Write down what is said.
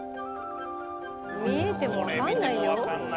見えてもわかんないよ。